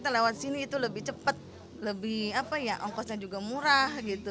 lewat sini itu lebih cepat lebih apa ya ongkosnya juga murah gitu